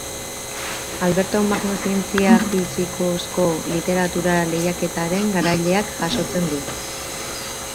Alberto Magno Zientzia-Fikziozko Literatura Lehiaketaren garaileak jasotzen du.